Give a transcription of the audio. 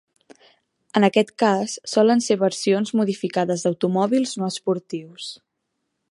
En aquest cas, solen ser versions modificades d'automòbils no esportius.